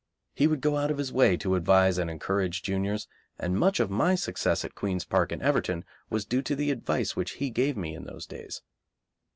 He would go out of his way to advise and encourage juniors, and much of my success at Queen's Park and Everton was due to the advice which he gave me in those days.